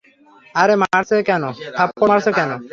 আরে মারছ কেন, থাপ্পর মারছ কেন?